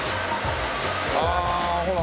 ああほら。